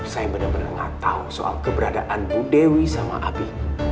saya benar benar nggak tahu soal keberadaan bu dewi sama abi